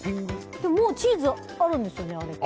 もう、チーズあるんですよねあれって。